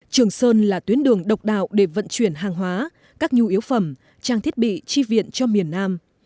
trường sơn là tuyến đường độc đạo để vận chuyển hàng hóa các nhu yếu phẩm trang thiết bị chi viện cho miền nam